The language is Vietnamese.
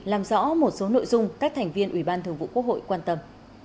làm rõ một số nội dung các thành viên ủy ban thường vụ quốc hội quan tâm